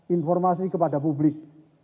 informasi kepada publik